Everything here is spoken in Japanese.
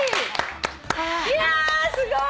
いやすごい。